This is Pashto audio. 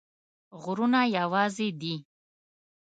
غرونه یوازي دي